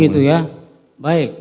begitu ya baik